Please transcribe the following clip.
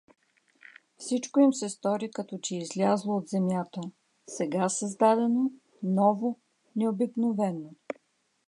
Всичко им се стори като че излязло от земята, сега създадено, ново, необикновено.